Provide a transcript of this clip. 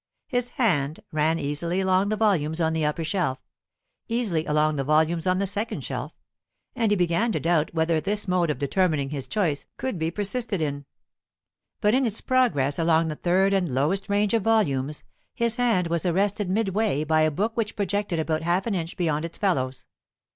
His hand ran easily along the volumes on the upper shelf easily along the volumes on the second shelf; and he began to doubt whether this mode of determining his choice could be persisted in. But in its progress along the third and lowest range of volumes, his hand was arrested midway by a book which projected about half an inch beyond its fellows.